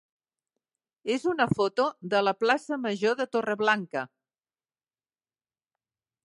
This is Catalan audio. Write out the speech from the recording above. és una foto de la plaça major de Torreblanca.